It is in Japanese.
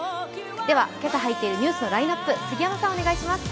では今朝入っているニュースのラインナップ、杉山さん、お願いします。